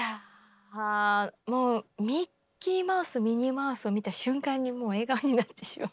もうミッキーマウスミニーマウスを見た瞬間にもう笑顔になってしまう。